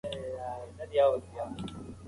انګریزان به شاه شجاع په افغانستان کي پرواک کړي.